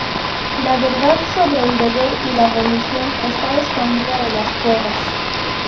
La verdad sobre el deber y la religión está escondida en las cuevas.